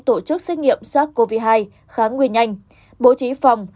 tổ chức xét nghiệm sars cov hai kháng nguyên nhanh bố trí phòng